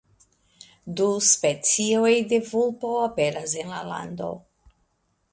Du specioj de vulpo aperas en la lando.